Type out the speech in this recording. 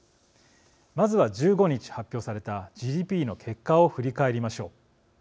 まずは１５日、発表されたＧＤＰの結果を振り返りましょう。